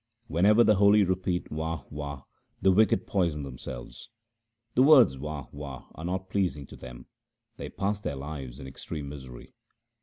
Whenever the holy repeat Wah ! Wah ! the wicked poison themselves. The words Wah ! Wah ! are not pleasing to them ; they pass their lives in extreme misery.